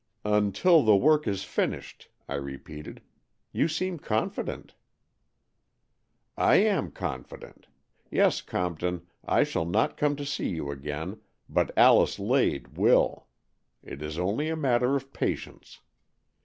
"Until the work is finished," I repeated. "You seem confident." "I am confident. Yes, Compton, I shall not come to see you again, but Alice Lade will. It is only a matter of patience.